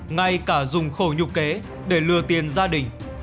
ngay cả dùng khổ nhục kế để lừa tiền gia đình